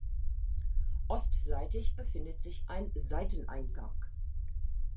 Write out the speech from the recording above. Ostseitig befindet sich ein Seiteneingang.